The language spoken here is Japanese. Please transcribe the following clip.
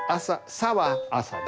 「さ」は朝ね。